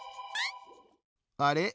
あれ？